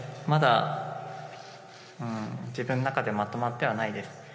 まだ、自分の中でまとまってはないです。